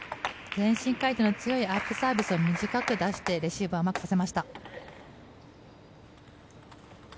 前進回転の強いアップサービスを短く出してレシーブを甘くさせました。